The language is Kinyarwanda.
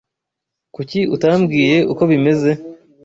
Kuki utambwiye uko bimeze?